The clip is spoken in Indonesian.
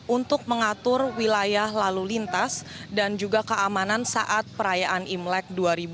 untuk mengatur wilayah lalu lintas dan juga keamanan saat perayaan imlek dua ribu dua puluh